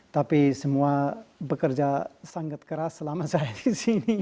tapi semua bekerja sangat keras selama saya di sini